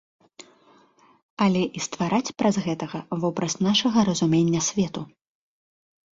Але і ствараць праз гэтага вобраз нашага разумення свету.